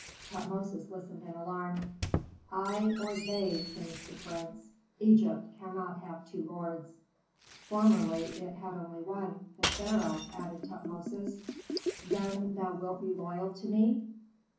Tutmosis listened in alarm. "I or they!" finished the prince. "Egypt cannot have two lords." "Formerly it had only one, the pharaoh," added Tutmosis. "Then thou wilt be loyal to me?"